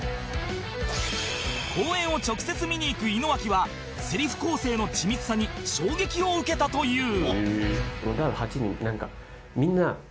公演を直接見に行く井之脇はセリフ構成の緻密さに衝撃を受けたという